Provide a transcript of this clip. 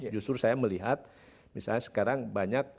justru saya melihat misalnya sekarang banyak